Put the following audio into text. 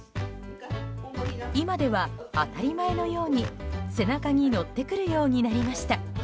今では、当たり前のように背中に乗ってくるようになりました。